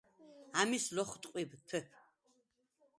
ამის ლოხტყვიბ თეფ.